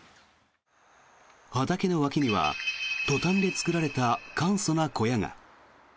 畑の脇にはトタンで作られた簡素な小屋が。